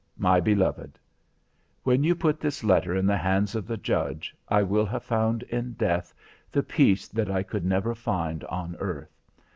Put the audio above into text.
My beloved: When you put this letter in the hands of the Judge, I will have found in death the peace that I could never find on earth.